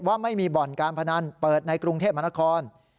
ว่าไม่มีบ่อนการพนันเปิดในกรุงเทพมหานคร